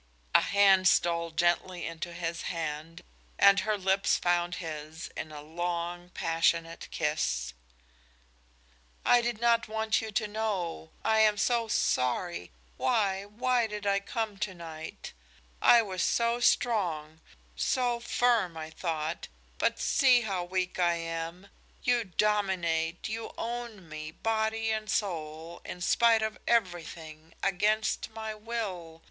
A hand stole gently into his hand, and her lips found his in a long, passionate kiss. "I did not want you to know! Ach, I am so sorry! Why, why did I come to night? I was so strong, so firm, I thought, but see how weak I am. You dominate, you own me, body and soul, in spite of everything, against my will.